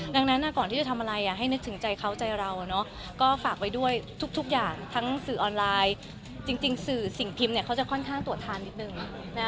ดังนั้นก่อนที่จะทำอะไรให้นึกถึงใจเขาใจเราก็ฝากไว้ด้วยทุกอย่างทั้งสื่อออนไลน์จริงสื่อสิ่งพิมพ์เขาจะค่อนข้างตรวจทานนิดนึง